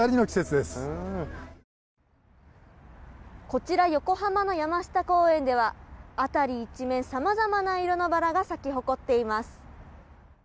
こちら横浜の山下公園では辺り一面さまざまな色のバラが咲き誇っています。